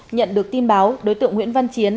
nhận được tin báo đối tượng nguyễn văn chiến